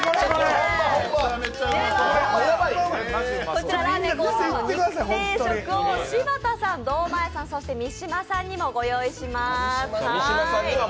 こちららーめんコーさんの肉定食を、柴田さん、堂前さん、三島さんにもご用意します。